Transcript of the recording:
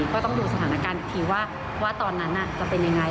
ก็ต้องดูสถานการณ์อีกทีว่าตอนนั้นจะเป็นยังไง